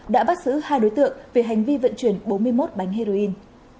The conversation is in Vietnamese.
đã bắt giữ hai đối tượng về hành vi vận chuyển bốn mươi một bánh heroin